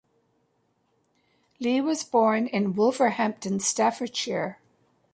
Lea was born in Wolverhampton, Staffordshire.